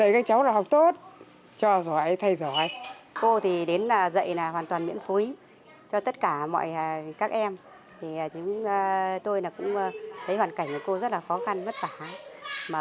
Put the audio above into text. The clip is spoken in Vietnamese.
cho tất cả mọi các em tôi cũng thấy hoàn cảnh của cô rất là khó khăn mất phả